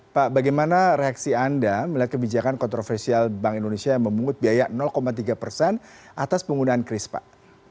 pak bagaimana reaksi anda melihat kebijakan kontroversial bank indonesia yang memungut biaya tiga persen atas penggunaan kris pak